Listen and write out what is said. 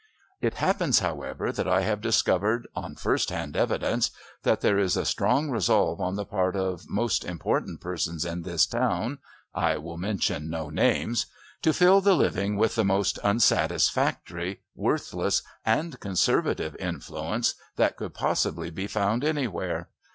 "It happens, however, that I have discovered on first hand evidence that there is a strong resolve on the part of most important persons in this town (I will mention no names) to fill the living with the most unsatisfactory, worthless and conservative influence that could possibly be found anywhere.